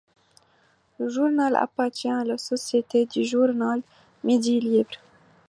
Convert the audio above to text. Le journal appartient à la Société du Journal Midi Libre.